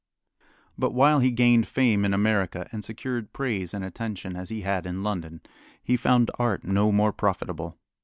But while he gained fame in America and secured praise and attention as he had in London, he found art no more profitable.